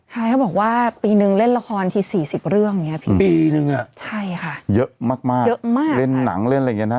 ใช่เขาบอกว่าปีนึงเล่นละครที่๔๐เรื่องปีนึงอะใช่ค่ะเยอะมากเล่นหนังเล่นอะไรอย่างเงี้ยนะ